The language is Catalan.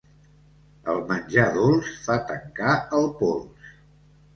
El menjar dolç fa tancar el pols.